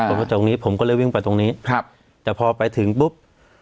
มาตรงนี้ผมก็เลยวิ่งไปตรงนี้ครับแต่พอไปถึงปุ๊บ